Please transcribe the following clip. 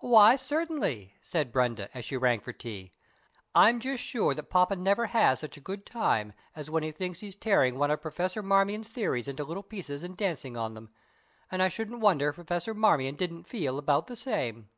"Why, certainly," said Brenda, as she rang for tea; "I'm just sure that Poppa never has such a good time as when he thinks he's tearing one of Professor Marmion's theories into little pieces and dancing on them, and I shouldn't wonder if Professor Marmion didn't feel about the same."